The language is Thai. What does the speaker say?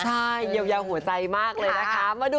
ใช่เยียวยาหัวใจมากเลยนะคะ